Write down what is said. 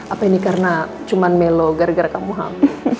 apa ini karena cuma melo gara gara kamu hal